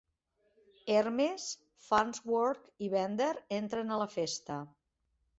Hermes, Farnsworth i Bender entren a la festa.